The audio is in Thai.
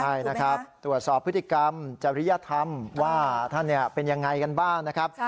ใช่นะครับตรวจสอบพฤติกรรมจริยธรรมว่าท่านเป็นยังไงกันบ้างนะครับ